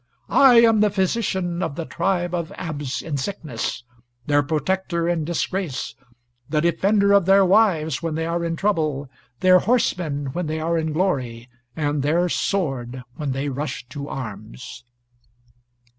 I am the physician of the tribe of Abs in sickness, their protector in disgrace, the defender of their wives when they are in trouble, their horseman when they are in glory, and their sword when they rush to arms."